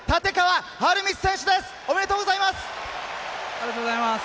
ありがとうございます。